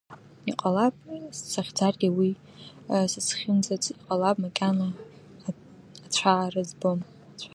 Иҟалап сахьӡаргьы уи сызхьымӡац, иҟалап, макьана ацәаара збом…